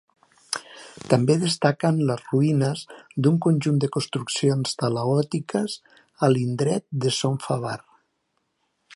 També destaquen les ruïnes d’un conjunt de construccions talaiòtiques a l'indret de Son Favar.